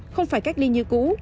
không phải cách ly như cũ